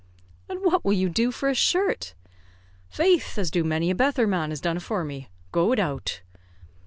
"And what will you do for a shirt?" "Faith, do as many a betther man has done afore me, go widout."